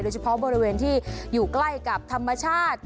เฉพาะบริเวณที่อยู่ใกล้กับธรรมชาติ